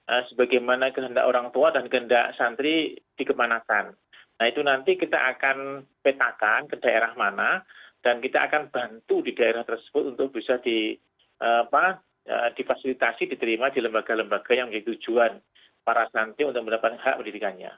nah sebagaimana kehendak orang tua dan kehendak santri dikemanakan nah itu nanti kita akan petakan ke daerah mana dan kita akan bantu di daerah tersebut untuk bisa difasilitasi diterima di lembaga lembaga yang menjadi tujuan para santri untuk mendapatkan hak pendidikannya